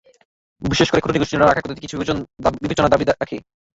বিশেষ করে ক্ষুদ্র নৃগোষ্ঠীর জন্য রাখা কোটাটির কিছু বিভাজন বিবেচনার দাবি রাখে।